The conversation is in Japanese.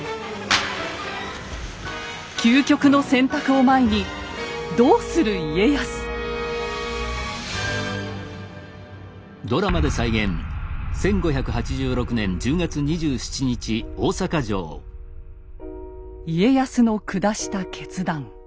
究極の選択を前に家康の下した決断。